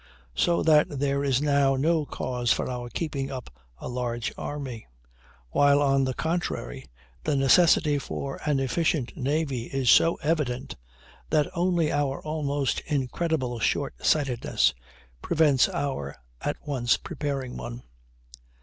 So that there is now no cause for our keeping up a large army; while, on the contrary, the necessity for an efficient navy is so evident that only our almost incredible short sightedness prevents our at once preparing one.